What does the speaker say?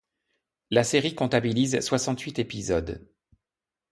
La série comptabilise soixante-huit épisodes.